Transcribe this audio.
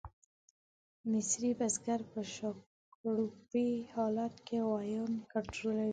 مصري بزګر په شاکړوپي حالت کې غویان کنټرولوي.